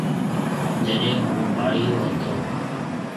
جڏيَ هُون ٻاݪيو هتو۔